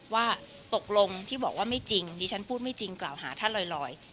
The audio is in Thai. ว่าตกลงที่บอกว่าไม่จริงดิฉันพูดไม่จริงกล่าวหาท่านลอย